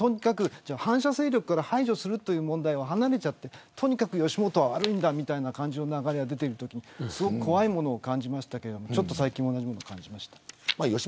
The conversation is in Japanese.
反社勢力から排除するという問題から離れてとにかく吉本が悪いんだという流れが出てきて怖いものを感じましたけど最近同じことを感じました。